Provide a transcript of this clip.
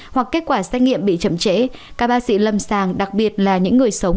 hoặc kết quả xác nghiệm bị chậm chế các bác sĩ lâm sàng đặc biệt là những người sống